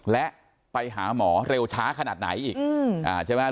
และไปหาหมอเร็วช้าขนาดไหน